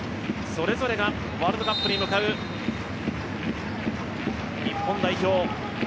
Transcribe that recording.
それぞれがワールドカップに向かう日本代表。